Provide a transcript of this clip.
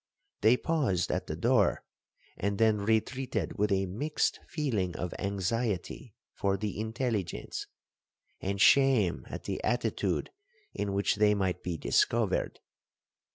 They paused at the door, and then retreated with a mixed feeling of anxiety for the intelligence, and shame at the attitude in which they might be discovered.